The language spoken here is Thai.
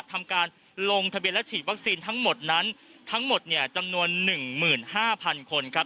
ทำการลงทะเบียนและฉีดวัคซีนทั้งหมดนั้นทั้งหมดเนี่ยจำนวนหนึ่งหมื่นห้าพันคนครับ